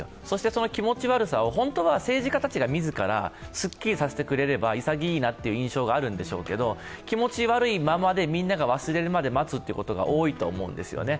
その気持ち悪さを本当は政治家たちが自らすっきりさせてくれればいさぎいいなという印象があるんでしょうけど、気持ち悪いままでみんなが忘れるまで待つことが多いと思うんですよね。